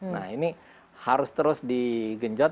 nah ini harus terus digenjot